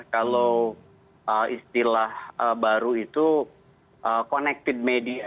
kalau istilah baru itu connected media